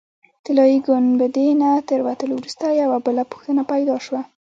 طلایي ګنبدې نه تر وتلو وروسته یوه بله پوښتنه پیدا شوه.